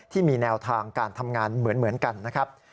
ที่มีแนวทางการทำงานเหมือนกันนะครับ